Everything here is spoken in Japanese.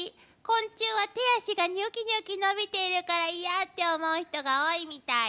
昆虫は手足がニョキニョキのびているから嫌って思う人が多いみたい。